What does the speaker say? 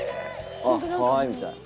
あっはいみたいな。